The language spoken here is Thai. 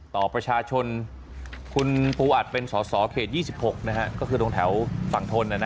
ต่อประชาชนคุณปูอัตน์เป็นส่อเคส๒๖แถวฝั่งทน